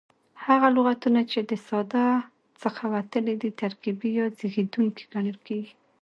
هغه لغتونه، چي د ساده څخه وتلي دي ترکیبي یا زېږېدونکي کڼل کیږي.